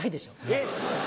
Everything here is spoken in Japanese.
えっ！